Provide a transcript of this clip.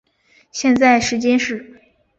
现在时间是。